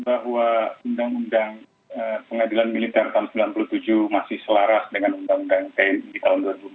bahwa undang undang pengadilan militer tahun seribu sembilan ratus sembilan puluh tujuh masih selaras dengan undang undang tni tahun seribu sembilan ratus sembilan puluh empat